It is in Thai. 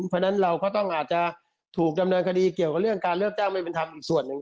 เพราะฉะนั้นเราก็ต้องอาจจะถูกดำเนินคดีเกี่ยวกับเรื่องการเลือกจ้างไม่เป็นธรรมอีกส่วนหนึ่ง